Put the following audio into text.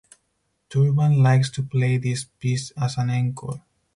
Turban likes to play this piece as an encore.